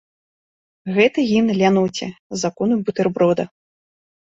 Гэта гімн ляноце, закону бутэрброда.